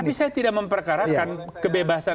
tapi saya tidak memperkarakan kebebasan